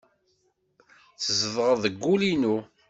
Tzedɣeḍ deg wul-inu.